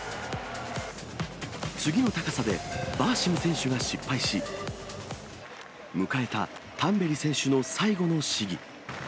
次の高さでバーシム選手が失敗し、迎えたタンベリ選手の最後の試技。